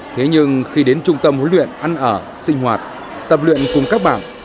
thế nhưng khi đến trung tâm huấn luyện ăn ở sinh hoạt tập luyện cùng các bạn